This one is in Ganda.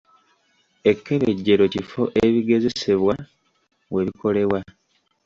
Ekkebejjerero kifo ebigezesebwa we bikolebwa.